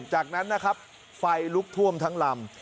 จากนั้นนะครับไฟลุกท่วมทั้งลำ